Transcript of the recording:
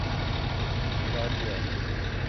Georgia